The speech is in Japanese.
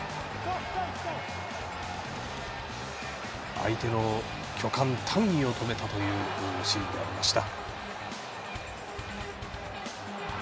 相手の巨漢、タンギを止めたというシーンでした。